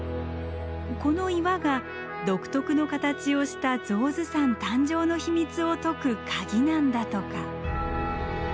この岩が独特の形をした象頭山誕生の秘密を解く鍵なんだとか。